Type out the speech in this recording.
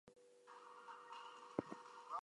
The administrative centre and largest town is Belvaux.